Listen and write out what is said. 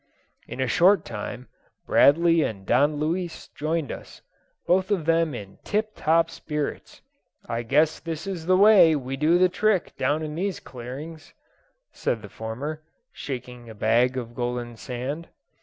In a short time Bradley and Don Luis joined us, both of them in tip top spirits. "I guess this is the way we do the trick down in these clearings," said the former, shaking a bag of golden sand.